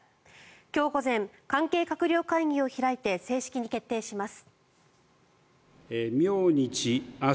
今日午前、関係閣僚会議を開いて正式に決定します。